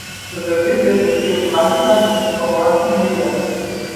The visit received much attention from Russian media.